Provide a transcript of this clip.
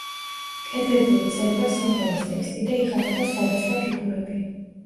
კედლებზე იწერება სიმღერის ტექსტი და იხატება სხვადასხვა ფიგურები.